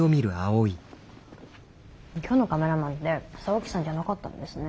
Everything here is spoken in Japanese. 今日のカメラマンって沢木さんじゃなかったんですね。